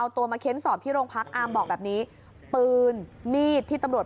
แล้วมันก็นอลลงไปบอกเพื่อนค่าถูกยิงค่าถูกยิง